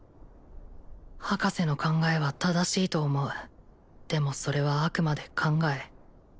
博士の考えは正しいと思うでもそれはあくまで考え思想